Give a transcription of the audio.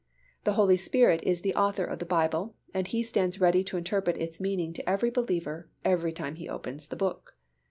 The Holy Spirit is the Author of the Bible and He stands ready to interpret its meaning to every believer every time he opens the Book.